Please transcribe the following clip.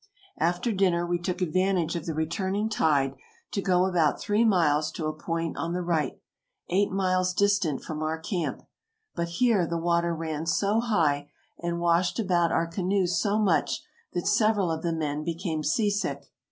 After dinner we took advantage of the returning tide to go about three miles to a point on the right, eight miles distant from our camp ; but here the water ran so high and washed about our canoe so much that several of the men became seasick.